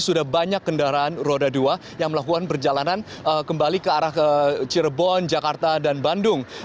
sudah banyak kendaraan roda dua yang melakukan perjalanan kembali ke arah cirebon jakarta dan bandung